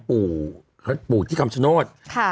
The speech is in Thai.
ปู่ที่คำโชนช์